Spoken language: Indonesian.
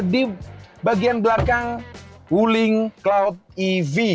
di bagian belakang wuling cloud ev